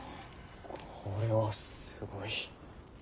これはすごい。